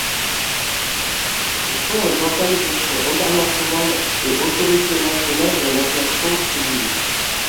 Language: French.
Ce sont les organisations internationales et autorités nationales de l'Aviation Civile.